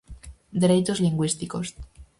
Dereitos lingüísticos.